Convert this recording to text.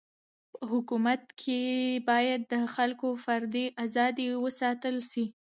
په حکومت کي باید د خلکو فردي ازادي و ساتل سي.